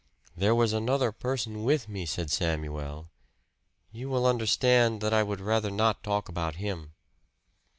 "There was another person with me," said Samuel "you will understand that I would rather not talk about him."